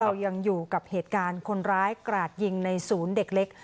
เรายังอยู่กับเหตุการณ์คนร้ายกราดยิงในศูนย์เด็กเล็ก